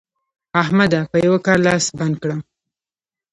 احمده! په یوه کار لاس بنده کړه.